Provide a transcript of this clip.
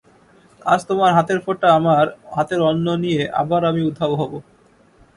আজ তোমার হাতের ফোঁটা তোমার হাতের অন্ন নিয়ে আবার আমি উধাও হব।